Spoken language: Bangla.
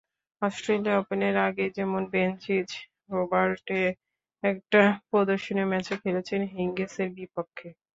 অস্ট্রেলিয়া ওপেনের আগেই যেমন বেনচিচ হোবার্টে একটা প্রদর্শনী ম্যাচে খেলেছেন হিঙ্গিসের বিপক্ষে।